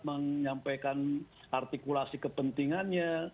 menyampaikan artikulasi kepentingannya